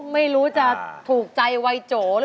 ไม่รู้จะถูกใจไวโจรึเปล่า